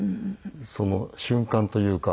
その瞬間というか。